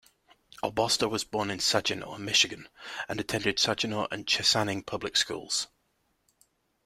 Albosta was born in Saginaw, Michigan and attended Saginaw and Chesaning public schools.